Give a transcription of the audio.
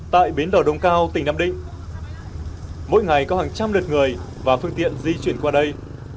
tại bến đỏ đông cao tỉnh nam định mỗi ngày có hàng trăm lượt người và phương tiện di chuyển qua đây